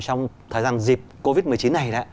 trong thời gian dịp covid một mươi chín này